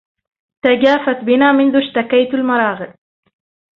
تجافت بنا منذ اشتكيت المراقد